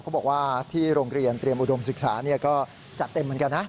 เขาบอกว่าที่โรงเรียนเตรียมอุดมศึกษาก็จัดเต็มเหมือนกันนะ